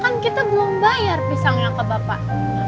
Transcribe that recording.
kan kita belum bayar pisangnya ke bapak